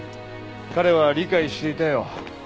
彼は理解していたよ。